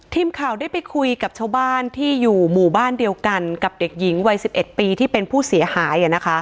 ทีมข่าวได้ไปคุยกับชาวบ้านที่อยู่หมู่บ้านเดียวกันกับเด็กหญิงวัย๑๑ปีที่เป็นผู้เสียหาย